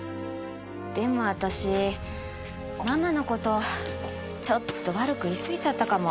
でも私ママの事ちょっと悪く言い過ぎちゃったかも。